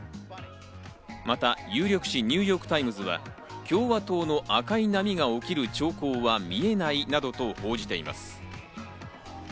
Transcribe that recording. また有力紙ニューヨーク・タイムズは共和党の赤い波が起きる兆候は見えないなどと報じています。